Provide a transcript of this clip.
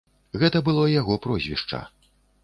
Гэта было яго прозвішча.